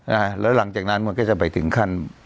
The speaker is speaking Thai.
อ่าแล้วหลังจากนั้นมันก็จะไปถึงขั้น